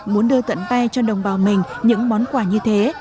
muốn đưa tận tay cho đồng bào mình những món quà như thế